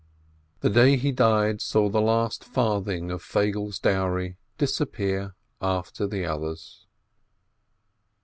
The day he died saw the last farthing of Feigele's dowry disappear after the others.